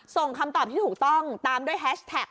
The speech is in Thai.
คำตอบที่ถูกต้องตามด้วยแฮชแท็ก